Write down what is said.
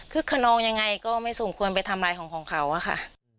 คนนองยังไงก็ไม่สมควรไปทำลายของของเขาอะค่ะ